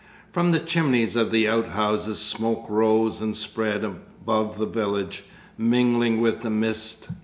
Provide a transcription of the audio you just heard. From the chimneys of the outhouses smoke rose and spread above the village, mingling with the mist.